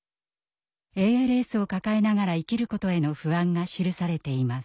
ＡＬＳを抱えながら生きることへの不安が記されています。